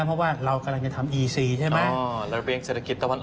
เพราะว่าเรากำลังจะทำอีซีใช่ไหม